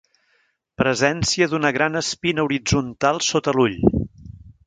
Presència d'una gran espina horitzontal sota l'ull.